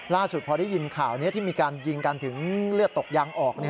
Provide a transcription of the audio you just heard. ล่าสุดพอได้ยินข่าวนี้ที่มีการยิงกันถึงเลือดตกยางออก